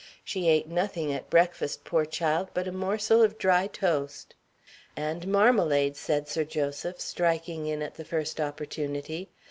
She ate nothing at breakfast, poor child, but a morsel of dry toast." "And marmalade," said Sir Joseph, striking in at the first opportunity.